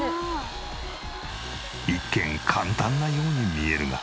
一見簡単なように見えるが。